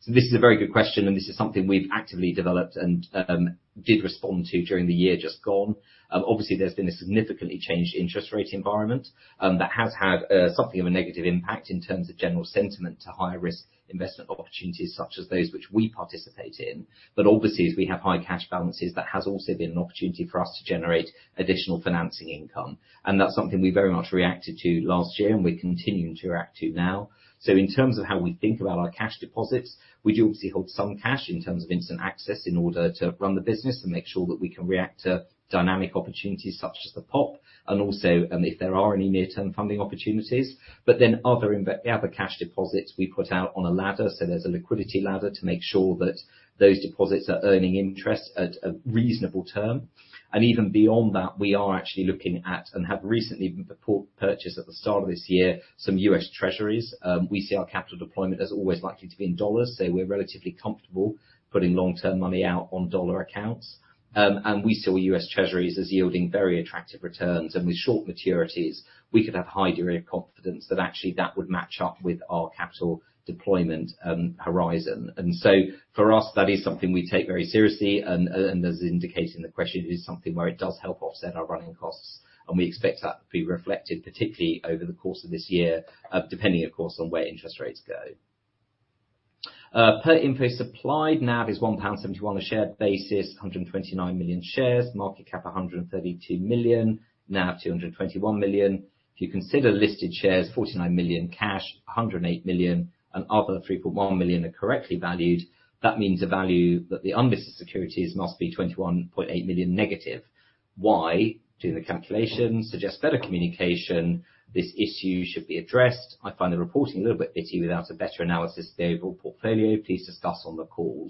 B: This is a very good question, and this is something we've actively developed and did respond to during the year just gone. Obviously there's been a significantly changed interest rate environment that has had something of a negative impact in terms of general sentiment to higher risk investment opportunities such as those which we participate in. Obviously as we have high cash balances, that has also been an opportunity for us to generate additional financing income. That's something we very much reacted to last year and we're continuing to react to now. In terms of how we think about our cash deposits, we do obviously hold some cash in terms of instant access in order to run the business and make sure that we can react to dynamic opportunities such as the POP and also, if there are any near-term funding opportunities. The other cash deposits we put out on a ladder, so there's a liquidity ladder to make sure that those deposits are earning interest at a reasonable term. Even beyond that, we are actually looking at and have recently purchased at the start of this year, some U.S. Treasuries. We see our capital deployment as always likely to be in dollars, so we're relatively comfortable putting long-term money out on dollar accounts. We see U.S. Treasuries as yielding very attractive returns and with short maturities, we could have high degree of confidence that actually that would match up with our capital deployment horizon. For us, that is something we take very seriously and as indicated in the question, it is something where it does help offset our running costs, and we expect that to be reflected particularly over the course of this year, depending of course, on where interest rates go. Per info supplied, NAV is 1.71 pound a share basis, 129 million shares, market cap 132 million, NAV 221 million. If you consider listed shares, 49 million cash, 108 million and other 3.1 million are correctly valued, that means the value that the unlisted securities must be 21.8 million negative. Why? Do the calculations suggest better communication? This issue should be addressed. I find the reporting a little bit pity without a better analysis of the overall portfolio. Please discuss on the call.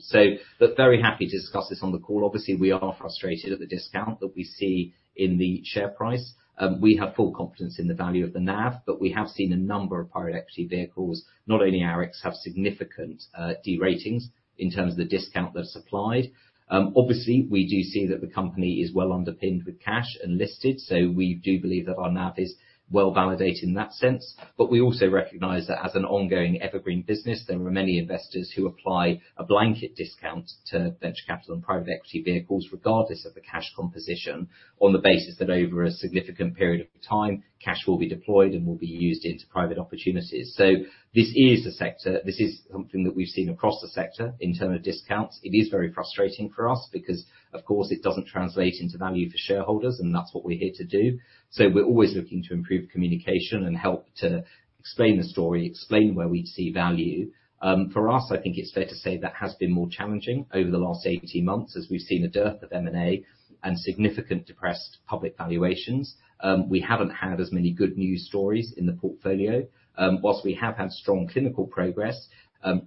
B: Look, very happy to discuss this on the call. Obviously, we are frustrated at the discount that we see in the share price. We have full confidence in the value of the NAV, but we have seen a number of private equity vehicles. Not only Arix have significant deratings in terms of the discount they're supplied. Obviously, we do see that the company is well underpinned with cash and listed. We do believe that our NAV is well validated in that sense. We also recognize that as an ongoing evergreen business, there are many investors who apply a blanket discount to venture capital and private equity vehicles, regardless of the cash composition on the basis that over a significant period of time, cash will be deployed and will be used into private opportunities. This is something that we've seen across the sector in terms of discounts. It is very frustrating for us because of course it doesn't translate into value for shareholders, and that's what we're here to do. We're always looking to improve communication and help to explain the story, explain where we see value. For us, I think it's fair to say that has been more challenging over the last 18 months as we've seen a dearth of M&A and significant depressed public valuations. We haven't had as many good news stories in the portfolio. Whilst we have had strong clinical progress,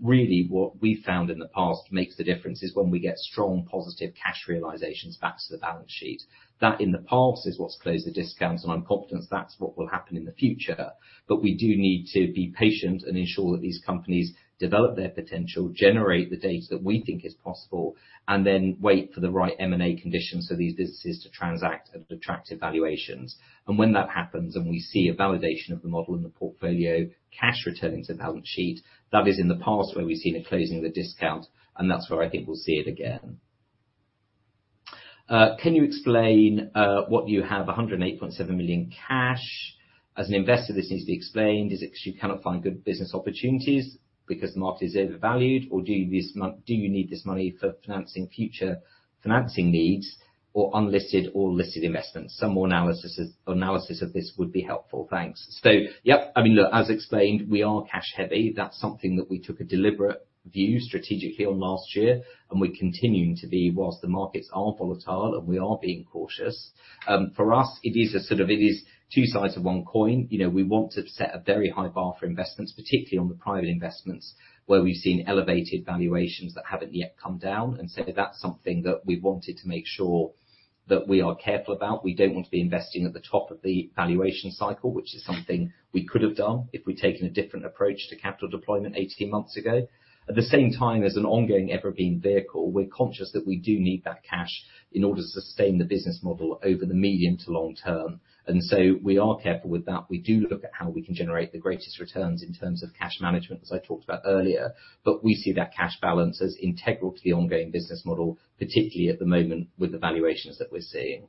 B: really what we found in the past makes the difference is when we get strong positive cash realizations back to the balance sheet. That in the past is what's closed the discounts and I'm confident that's what will happen in the future. We do need to be patient and ensure that these companies develop their potential, generate the data that we think is possible, and then wait for the right M&A conditions for these businesses to transact at attractive valuations. When that happens and we see a validation of the model in the portfolio, cash returning to the balance sheet, that is in the past where we've seen a closing of the discount, and that's where I think we'll see it again. Can you explain what you have 108.7 million cash? As an investor, this needs to be explained. Is it because you cannot find good business opportunities because the market is overvalued, or do you need this money for financing future financing needs? Or unlisted or listed investments. Some more analysis of this would be helpful. Thanks. Yep. I mean, look, as explained, we are cash heavy. That's something that we took a deliberate view strategically on last year, and we're continuing to be whilst the markets are volatile, and we are being cautious. for us, it is a sort of it is two sides of one coin. You know, we want to set a very high bar for investments, particularly on the private investments, where we've seen elevated valuations that haven't yet come down. That's something that we wanted to make sure that we are careful about. We don't want to be investing at the top of the valuation cycle, which is something we could have done if we'd taken a different approach to capital deployment 18 months ago. At the same time, as an ongoing evergreen vehicle, we're conscious that we do need that cash in order to sustain the business model over the medium to long term. We are careful with that. We do look at how we can generate the greatest returns in terms of cash management, as I talked about earlier. We see that cash balance as integral to the ongoing business model, particularly at the moment with the valuations that we're seeing.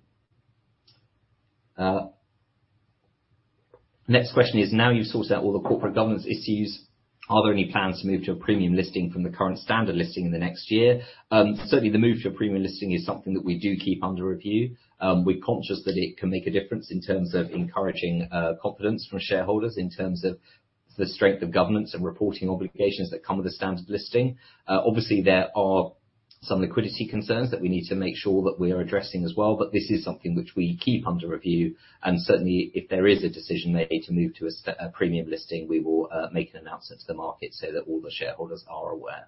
B: Next question is, now you've sorted out all the corporate governance issues, are there any plans to move to a premium listing from the current standard listing in the next year? Certainly the move to a premium listing is something that we do keep under review. We're conscious that it can make a difference in terms of encouraging confidence from shareholders in terms of the strength of governance and reporting obligations that come with a standard listing. Obviously, there are some liquidity concerns that we need to make sure that we are addressing as well, but this is something which we keep under review, and certainly if there is a decision made to move to a premium listing, we will make an announcement to the market so that all the shareholders are aware.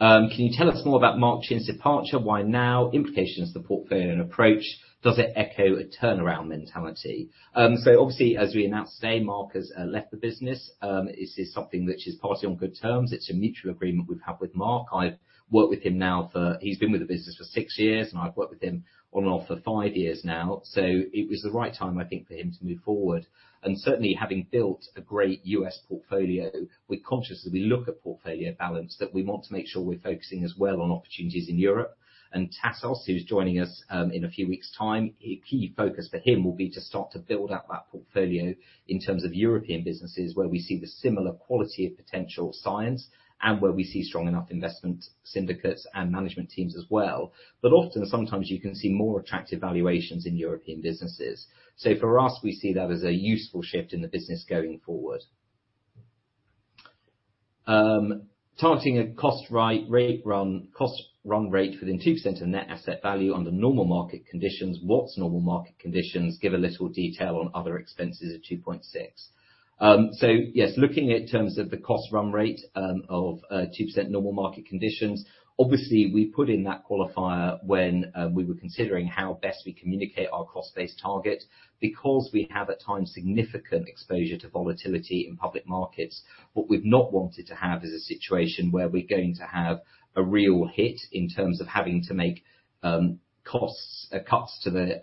B: Can you tell us more about Mark Chin's departure? Why now? Implications of the portfolio and approach. Does it echo a turnaround mentality? So obviously, as we announced today, Mark has left the business. This is something which is partly on good terms. It's a mutual agreement we've had with Mark. I've worked with him now, he's been with the business for six years, and I've worked with him on and off for five years now. It was the right time, I think, for him to move forward. Certainly, having built a great U.S. portfolio, we're conscious as we look at portfolio balance, that we want to make sure we're focusing as well on opportunities in Europe. Tassos, who's joining us in a few weeks' time, a key focus for him will be to start to build out that portfolio in terms of European businesses where we see the similar quality of potential science and where we see strong enough investment syndicates and management teams as well. Often, sometimes you can see more attractive valuations in European businesses. For us, we see that as a useful shift in the business going forward. Targeting a cost run rate within 2% of net asset value under normal market conditions. What's normal market conditions? Give a little detail on other expenses of 2.6. Yes, looking at terms of the cost run rate, of 2% normal market conditions, obviously, we put in that qualifier when we were considering how best we communicate our cost-based target because we have at times significant exposure to volatility in public markets. What we've not wanted to have is a situation where we're going to have a real hit in terms of having to make costs cuts to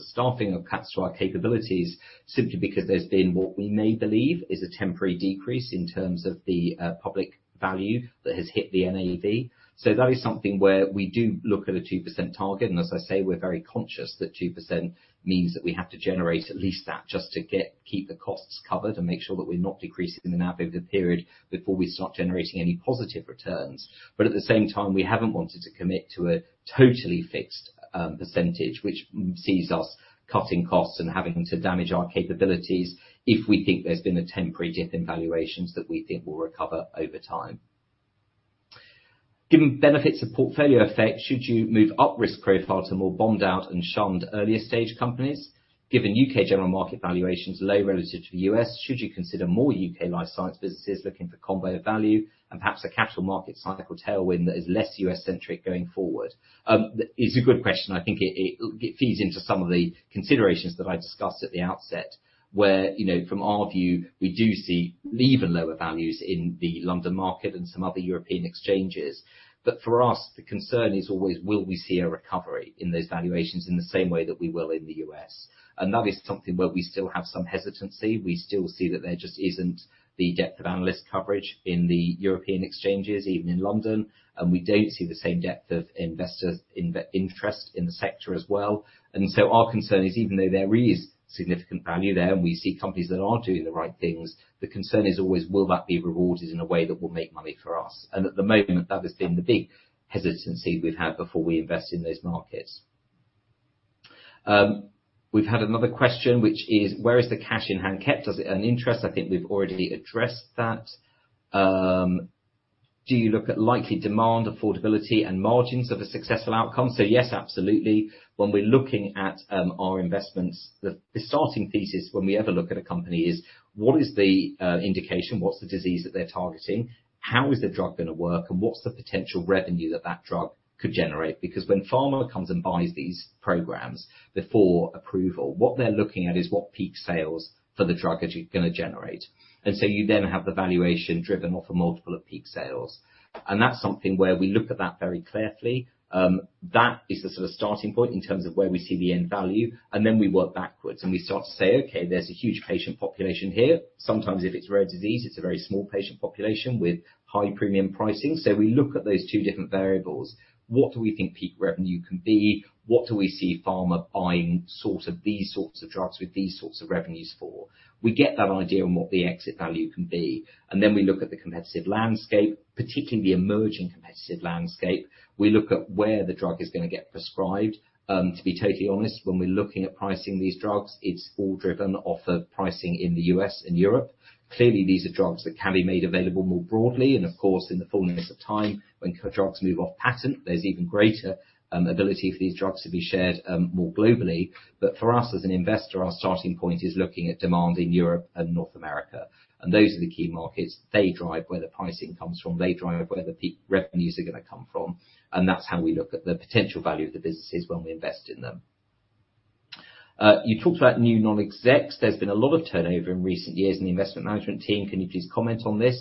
B: staffing or cuts to our capabilities simply because there's been what we may believe is a temporary decrease in terms of the public value that has hit the NAV. That is something where we do look at a 2% target, and as I say, we're very conscious that 2% means that we have to generate at least that just to keep the costs covered and make sure that we're not decreasing the NAV over the period before we start generating any positive returns. At the same time, we haven't wanted to commit to a totally fixed percentage, which sees us cutting costs and having to damage our capabilities if we think there's been a temporary dip in valuations that we think will recover over time. Given benefits of portfolio effect, should you move up risk profile to more bombed out and shunned earlier stage companies? Given U.K. general market valuations low relative to the U.S., should you consider more U.K. life science businesses looking for combo value and perhaps a capital market cycle tailwind that is less U.S.-centric going forward? It's a good question. I think it feeds into some of the considerations that I discussed at the outset, where, you know, from our view, we do see even lower values in the London market and some other European exchanges. For us, the concern is always will we see a recovery in those valuations in the same way that we will in the U.S.? That is something where we still have some hesitancy. We still see that there just isn't the depth of analyst coverage in the European exchanges, even in London. We don't see the same depth of investor interest in the sector as well. Our concern is even though there is significant value there, and we see companies that are doing the right things, the concern is always will that be rewarded in a way that will make money for us? At the moment, that has been the big hesitancy we've had before we invest in those markets. We've had another question which is where is the cash in hand kept? Does it earn interest? I think we've already addressed that. Do you look at likely demand, affordability, and margins of a successful outcome? Yes, absolutely. When we're looking at our investments, the starting thesis when we ever look at a company is what is the indication, what's the disease that they're targeting? How is the drug gonna work, and what's the potential revenue that that drug could generate? When pharma comes and buys these programs before approval, what they're looking at is what peak sales for the drug is it gonna generate? You then have the valuation driven off a multiple of peak sales. That's something where we look at that very carefully. That is the sort of starting point in terms of where we see the end value, and then we work backwards and we start to say, okay, there's a huge patient population here. Sometimes if it's rare disease, it's a very small patient population with high premium pricing. We look at those two different variables. What do we think peak revenue can be? What do we see pharma buying sort of these sorts of drugs with these sorts of revenues for? We get that idea on what the exit value can be. We look at the competitive landscape, particularly emerging competitive landscape. We look at where the drug is gonna get prescribed. To be totally honest, when we're looking at pricing these drugs, it's all driven off the pricing in the U.S. and Europe. Clearly, these are drugs that can be made available more broadly. Of course, in the fullness of time, when drugs move off patent, there's even greater ability for these drugs to be shared more globally. For us, as an investor, our starting point is looking at demand in Europe and North America. Those are the key markets. They drive where the pricing comes from. They drive where the peak revenues are gonna come from. That's how we look at the potential value of the businesses when we invest in them. You talked about new non-execs. There's been a lot of turnover in recent years in the investment management team. Can you please comment on this?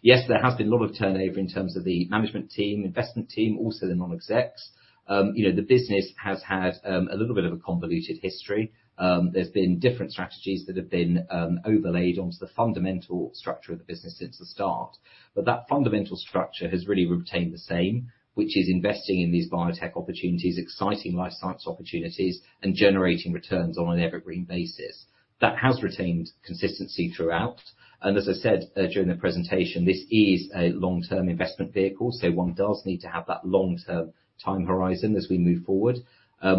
B: Yes, there has been a lot of turnover in terms of the management team, investment team, also the non-execs. You know, the business has had a little bit of a convoluted history. There's been different strategies that have been overlaid onto the fundamental structure of the business since the start. That fundamental structure has really retained the same, which is investing in these biotech opportunities, exciting life science opportunities, and generating returns on an evergreen basis. That has retained consistency throughout, and as I said, during the presentation, this is a long-term investment vehicle. One does need to have that long-term time horizon as we move forward.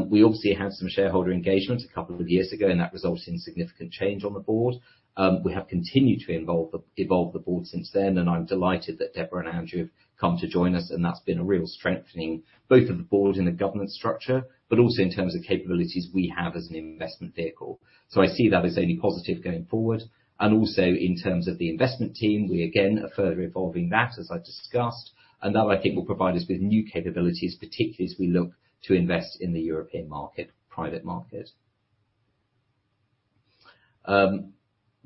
B: We obviously had some shareholder engagement a couple of years ago. That resulted in significant change on the board. We have continued to evolve the board since then. I'm delighted that Debra and Andrew have come to join us. That's been a real strengthening both of the board and the governance structure, also in terms of capabilities we have as an investment vehicle. I see that as only positive going forward. Also in terms of the investment team, we again are further evolving that, as I discussed. That, I think, will provide us with new capabilities, particularly as we look to invest in the European market, private market.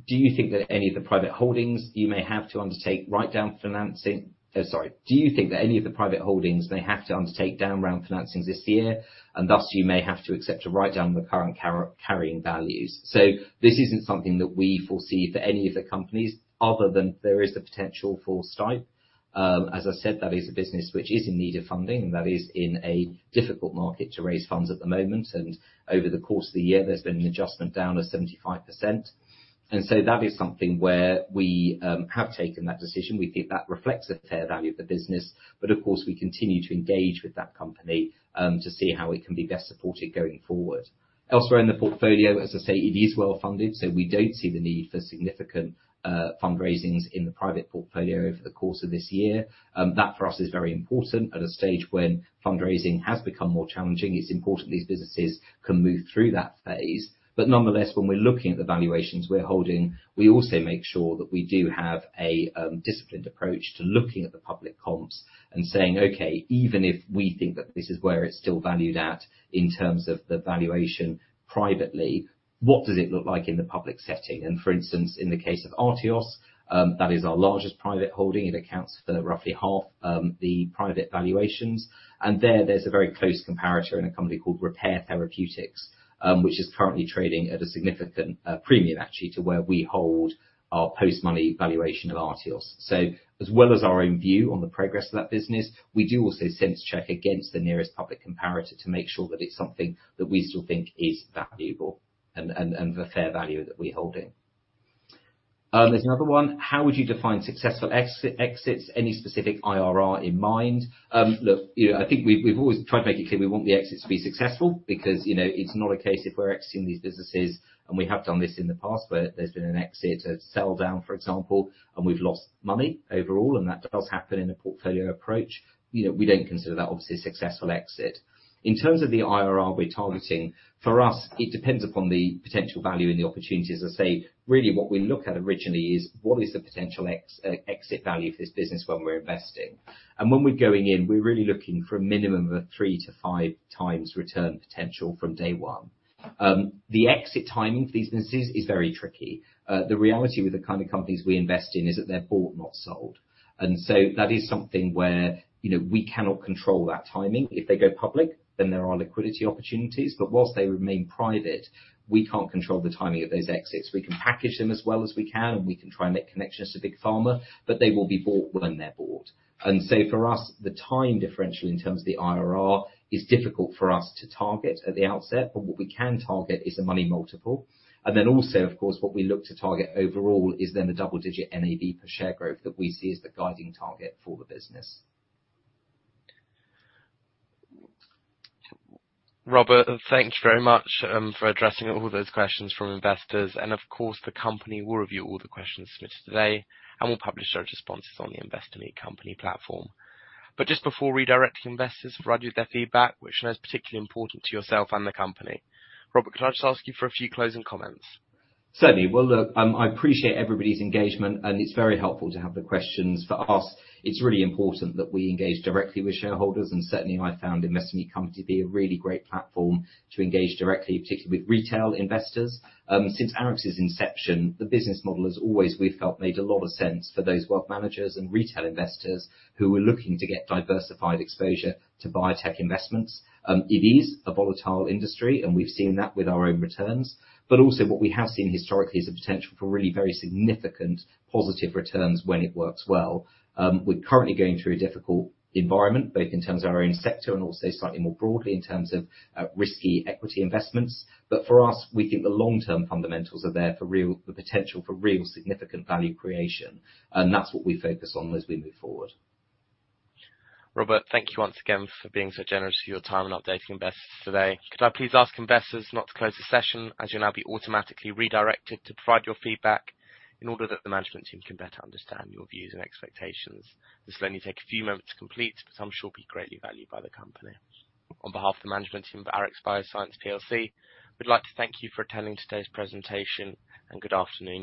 B: Do you think that any of the private holdings you may have to undertake write-down financing. Do you think that any of the private holdings may have to undertake down round financings this year, and thus you may have to accept a write-down the current carrying values? This isn't something that we foresee for any of the companies other than there is the potential for STipe. As I said, that is a business which is in need of funding, and that is in a difficult market to raise funds at the moment. Over the course of the year, there's been an adjustment down of 75%. That is something where we have taken that decision. We think that reflects the fair value of the business. Of course, we continue to engage with that company, to see how it can be best supported going forward. Elsewhere in the portfolio, as I say, it is well-funded, we don't see the need for significant fundraisings in the private portfolio over the course of this year. That for us is very important. At a stage when fundraising has become more challenging, it's important these businesses can move through that phase. Nonetheless, when we're looking at the valuations we're holding, we also make sure that we do have a disciplined approach to looking at the public comps and saying, "Okay, even if we think that this is where it's still valued at in terms of the valuation privately, what does it look like in the public setting?" For instance, in the case of Artios, that is our largest private holding. It accounts for roughly half the private valuations. There, there's a very close comparator in a company called Repare Therapeutics, which is currently trading at a significant premium actually to where we hold our post-money valuation of Artios. As well as our own view on the progress of that business, we do also sense check against the nearest public comparator to make sure that it's something that we still think is valuable and of a fair value that we hold it. There's another one. How would you define successful exits? Any specific IRR in mind? Look, you know, I think we've always tried to make it clear we want the exits to be successful because, you know, it's not a case if we're exiting these businesses, and we have done this in the past, where there's been an exit, a sell down, for example, and we've lost money overall, and that does happen in a portfolio approach. You know, we don't consider that obviously a successful exit. In terms of the IRR we're targeting, for us, it depends upon the potential value in the opportunities. As I say, really, what we look at originally is what is the potential exit value for this business when we're investing? When we're going in, we're really looking for a minimum of 3-5x return potential from day one. The exit timing for these businesses is very tricky. The reality with the kind of companies we invest in is that they're bought, not sold. That is something where, you know, we cannot control that timing. If they go public, there are liquidity opportunities. Whilst they remain private, we can't control the timing of those exits. We can package them as well as we can, and we can try and make connections to big pharma, but they will be bought when they're bought. For us, the time differential in terms of the IRR is difficult for us to target at the outset, but what we can target is the money multiple. Also, of course, what we look to target overall is the double-digit NAV per share growth that we see as the guiding target for the business.
A: Robert, thank you very much for addressing all those questions from investors. Of course, the company will review all the questions submitted today and will publish their responses on the Investor Meet Company platform. Just before redirecting investors to provide you their feedback, which I know is particularly important to yourself and the company, Robert, could I just ask you for a few closing comments?
B: Certainly. Well, look, I appreciate everybody's engagement, and it's very helpful to have the questions. For us, it's really important that we engage directly with shareholders, and certainly I found Investor Meet Company to be a really great platform to engage directly, particularly with retail investors. Since Arix's inception, the business model has always, we've felt, made a lot of sense for those wealth managers and retail investors who are looking to get diversified exposure to biotech investments. It is a volatile industry, and we've seen that with our own returns. Also what we have seen historically is a potential for really very significant positive returns when it works well. We're currently going through a difficult environment, both in terms of our own sector and also slightly more broadly in terms of risky equity investments. For us, we think the long-term fundamentals are there for real significant value creation, and that's what we focus on as we move forward.
A: Robert, thank you once again for being so generous with your time and updating investors today. Could I please ask investors not to close the session, as you'll now be automatically redirected to provide your feedback in order that the management team can better understand your views and expectations. This will only take a few moments to complete, but I'm sure be greatly valued by the company. On behalf of the management team of Arix Bioscience plc, we'd like to thank you for attending today's presentation, and good afternoon.